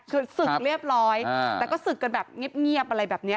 คือศึกเรียบร้อยแต่ก็ศึกกันแบบเงียบอะไรแบบนี้